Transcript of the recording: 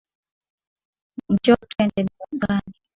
Njoo twende mbugani